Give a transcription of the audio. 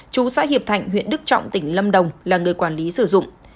chú xã hiệp thạnh huyện đức trọng tỉnh lâm đồng là người quản lý sử dụng